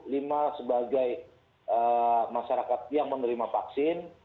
lima sebagai masyarakat yang menerima vaksin